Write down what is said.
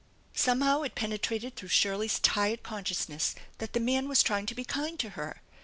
Somehow it penetrated through Shirley's tired conscious^ ness that the man was trying to be kind to her.